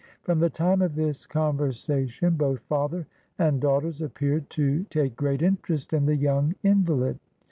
From the time of this conversation, both father and daughters appeared to take great interest in the young invalid.